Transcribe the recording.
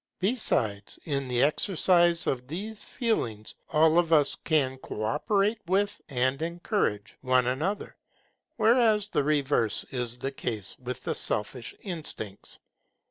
Besides, in the exercise of these feelings, all of us can co operate with and encourage one another, whereas the reverse is the case with the selfish instincts.